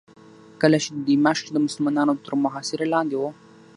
کله چې دمشق د مسلمانانو تر محاصرې لاندې و.